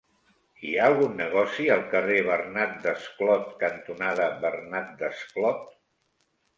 Hi ha algun negoci al carrer Bernat Desclot cantonada Bernat Desclot?